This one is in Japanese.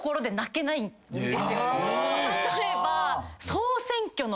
例えば。